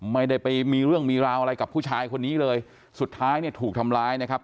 ไม่ได้ไปมีเรื่องมีราวอะไรกับผู้ชายคนนี้เลยสุดท้ายเนี่ยถูกทำร้ายนะครับ